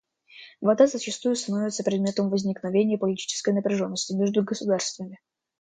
Вода зачастую становится предметом возникновения политической напряженности между государствами.